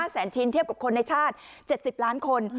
แสนชิ้นเทียบกับคนในชาติ๗๐ล้านคน